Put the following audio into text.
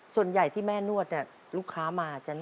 ส่วนใหญ่ที่แม่นวดลูกค้ามาจะนวด